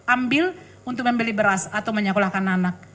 ambil untuk membeli beras atau menyekolahkan anak